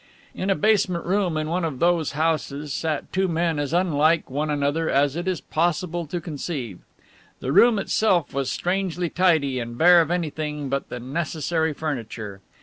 In a basement room in one of those houses sat two men as unlike one another as it is possible to conceive. The room itself was strangely tidy and bare of anything but the necessary furniture.